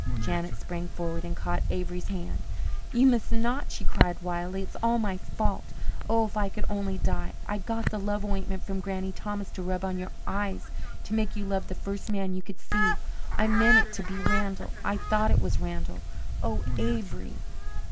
Janet sprang forward and caught Avery's hand. "You must not," she cried wildly. "It's all my fault oh, if I could only die I got the love ointment from Granny Thomas to rub on your eyes to make you love the first man you would see. I meant it to be Randall I thought it was Randall oh, Avery!"